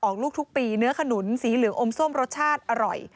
ลูกทุกปีเนื้อขนุนสีเหลืองอมส้มรสชาติอร่อย